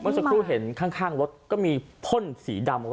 เมื่อสักครู่เห็นข้างรถก็มีโพ่นสีดำ